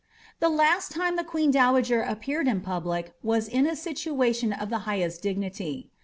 The last time the queen dowager appeared in public was in a situa tion of the highest dignity.